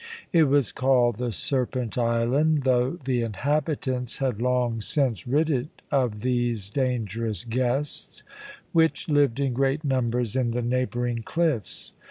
It was called the Serpent Island, though the inhabitants had long since rid it of these dangerous guests, which lived in great numbers in the neighbouring cliffs.